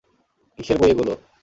কিসের বই এগুলো?